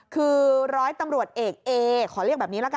คือร้อยตำรวจเอกเอ